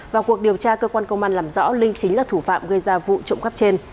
vào cuộc điều tra cơ quan công an làm rõ linh chính là thủ phạm gây ra vụ trộm cắp trên